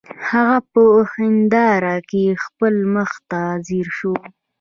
هغه په هنداره کې خپل مخ ته ځیر شو